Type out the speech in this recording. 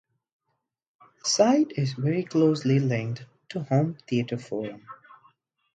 The site is very closely linked to Home Theater Forum.